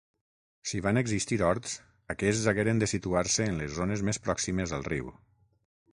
Si van existir horts, aquests hagueren de situar-se en les zones més pròximes al riu.